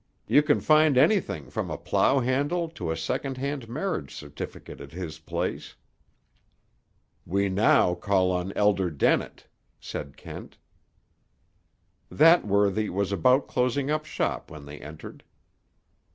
You can find anything from a plough handle to a second hand marriage certificate at his place." "We now call on Elder Dennett," said Kent. That worthy was about closing up shop when they entered.